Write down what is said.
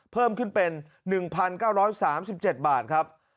เพิ่มขึ้นเป็น๑๙๓๗บาทครับ